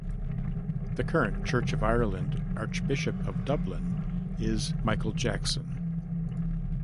The current Church of Ireland Archbishop of Dublin is Michael Jackson.